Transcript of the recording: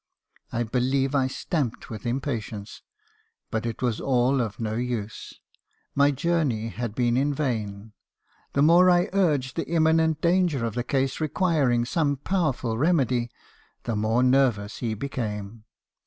"I believe I stamped with impatience; but it was all of no use. My journey had been in vain. The more I urged the im minent danger of the case requiring some powerful remedy , the more nervous he became.